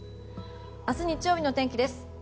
明日、日曜日の天気です。